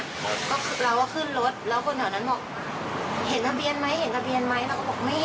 ก็เราก็ขึ้นรถแล้วคนเหล่านั้นบอกเห็นระเบียนไหมแล้วก็บอกไม่เห็นค่ะ